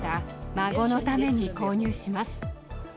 孫のために購入します。